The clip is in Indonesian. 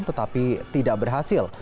tetapi tidak berhasil